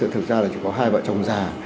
thực ra là chỉ có hai vợ chồng già